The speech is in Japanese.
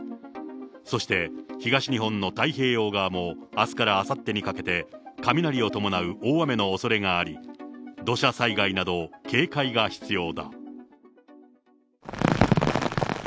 そして東日本の太平洋側もあすからあさってにかけて、雷を伴う大雨のおそれがあり、土砂災害など警戒が必要だ。